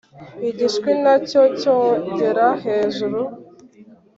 igishwi na cyo cyogera hejuru.